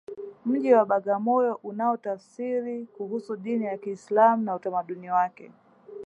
mji wa bagamoyo unaotafsiri kuhusu dini ya kiislamu na utamaduni wake